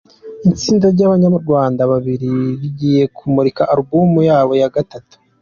Itsinda ryabanyarwanda babiri rigiye kumurika Alubumu yabo ya gatatu